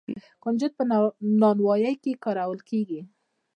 کنجد په نانوايۍ کې کارول کیږي.